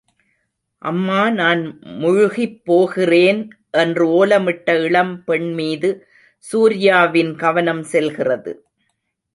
அம்மா நான் முழுகிப் போகிறேன்! என்று ஓலமிட்ட இளம்பெண்மீது சூர்யாவின் கவனம் செல்கிறது.